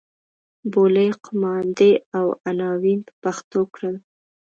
بولۍ قوماندې او عناوین په پښتو کړل.